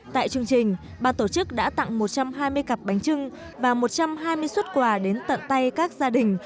tại chương trình ban tổ chức đã tặng một trăm hai mươi cặp bánh trưng và một trăm hai mươi xuất quà đến tận tay các gia đình